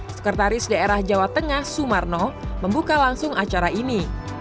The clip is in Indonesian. sekretaris daerah jawa tengah sumarno membuka langsung acara ini